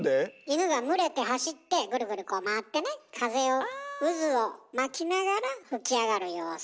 犬が群れて走ってぐるぐるこう回ってね風を渦を巻きながら吹き上がる様子っていうことですね。